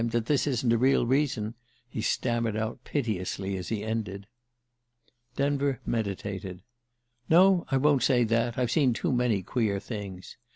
that this isn't a real reason!" he stammered out piteously as he ended. Denver meditated. "No, I won't say that. I've seen too many queer things.